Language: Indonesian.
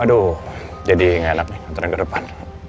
aduh jadi gak enak nih hantarin ke depan